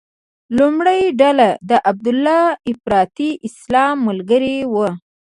لومړۍ ډله د عبیدالله افراطي اسلام ملګري وو.